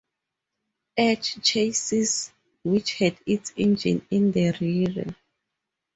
H chassis, which had its engine in the rear.